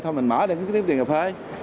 thôi mình mở đi cũng kiếm tiền cà phê